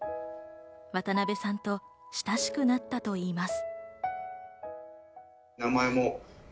渡辺さんと親しくなったといいます。